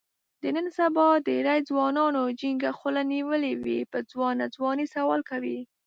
د نن سبا ډېری ځوانانو جینګه خوله نیولې وي، په ځوانه ځوانۍ سوال کوي.